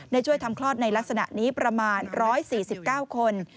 ช่วยทำคลอดในลักษณะนี้ประมาณ๑๔๙คน